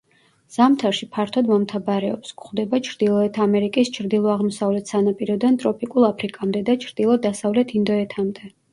ზამთარში ფართოდ მომთაბარეობს; გვხვდება ჩრდილოეთ ამერიკის ჩრდილო-აღმოსავლეთ სანაპიროდან ტროპიკულ აფრიკამდე და ჩრდილო-დასავლეთ ინდოეთამდე.